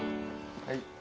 はい。